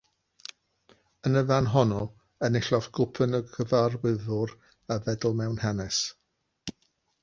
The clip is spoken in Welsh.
Yn y fan honno enillodd Gwpan y Cyfarwyddwr a'r fedal mewn hanes.